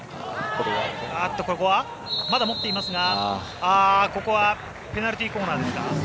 ここはまだ持っていますがここはペナルティーコーナーですか。